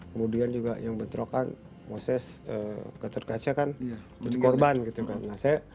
kemudian juga yang bentrokan moses gatot kaca kan jadi korban gitu kan